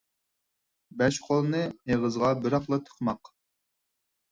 بەش قولنى ئېغىزغا بىراقلا تىقماق